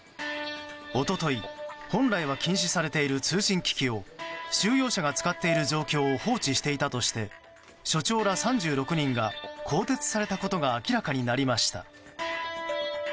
一昨日、本来は禁止されている通信機器を収容者が使っている状況を放置していたとして所長ら３６人が更迭されたことが明らかになりました。